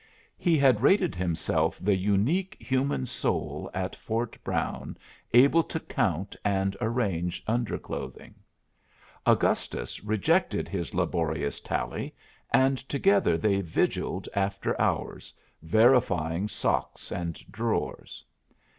He had rated himself the unique human soul at Fort Brown able to count and arrange underclothing. Augustus rejected his laborious tally, and together they vigiled after hours, verifying socks and drawers.